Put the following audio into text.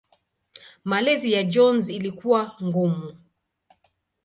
Malezi ya Jones ilikuwa ngumu.